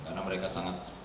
karena mereka sangat